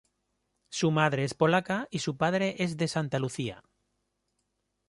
Su madre es polaca y su padre es de Santa Lucía.